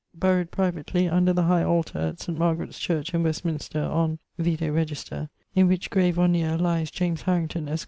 Buryed privately under the high alter at St. Margaret's church, in Westminster, on ... (vide Register); in which grave (or neer) lies James Harrington, esq.